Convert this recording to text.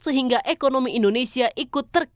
sehingga ekonomi indonesia ikut terkena